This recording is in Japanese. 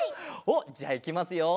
おっじゃあいきますよ。